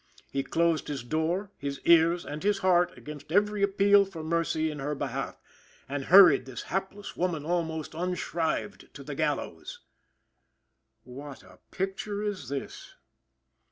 "He closed his door, his ears, and his heart against every appeal for mercy in her behalf, and hurried this hapless woman almost unshrived to the gallows." What a picture is this!